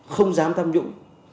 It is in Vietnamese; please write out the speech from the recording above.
không dám tham nhũng